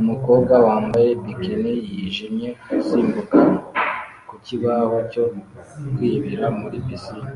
Umukobwa wambaye bikini yijimye asimbuka ku kibaho cyo kwibira muri pisine